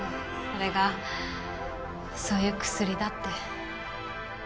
それがそういう薬だって。